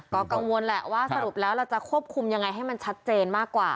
ก็กังวลแหละว่าสรุปแล้วเราจะควบคุมยังไงให้มันชัดเจนมากกว่า